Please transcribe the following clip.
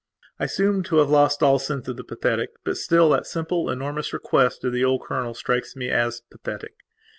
I seem to have lost all sense of the pathetic; but still, that simple, enormous request of the old colonel strikes me as pathetic.